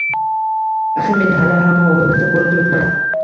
Axir men hali ham hovlimizni ko‘rib turibman